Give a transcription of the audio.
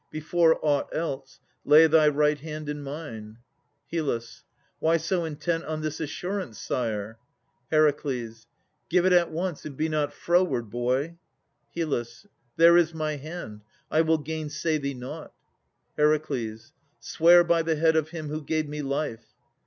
Before aught else, lay thy right hand in mine. HYL. Why so intent on this assurance, sire? HER. Give it at once and be not froward, boy. HYL. There is my hand: I will gainsay thee nought. HER. Swear by the head of him who gave me life.